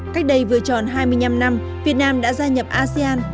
cách đây vừa tròn hai mươi năm năm việt nam đã gia nhập asean